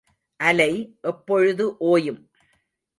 அலை எப்பொழுது ஓயும்?